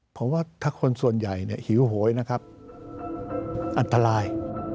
เพราะว่าถ้าคนส่วนใหญ่หิวโหยนะครับอันตราย